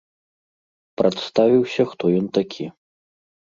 Прадставіўся, хто ён такі.